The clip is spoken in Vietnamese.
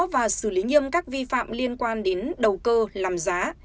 và xử lý nghiêm các vi phạm liên quan đến đầu cơ làm giá